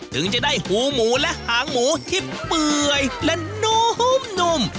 ถึงจะได้หูหมูและหางหมูที่เปื่อยและนุ่ม